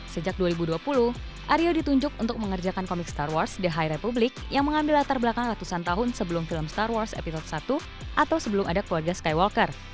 sejak dua ribu dua puluh aryo ditunjuk untuk mengerjakan komik star wars di high republik yang mengambil latar belakang ratusan tahun sebelum film star wars episode satu atau sebelum ada keluarga skywalker